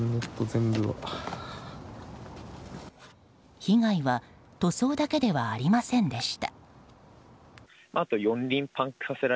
被害は塗装だけではありませんでした。